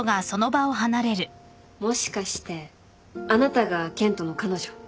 もしかしてあなたが健人の彼女？